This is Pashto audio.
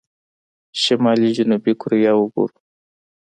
شمالي جنوبي کوريا وګورو.